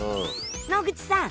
野口さん！